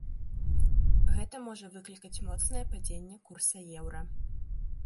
Гэта можа выклікаць моцнае падзенне курса еўра.